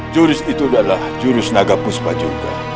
jurus itu adalah jurus naga puspa juga